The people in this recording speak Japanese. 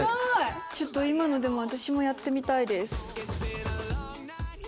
ちょっと今のでも私もやってみたいです。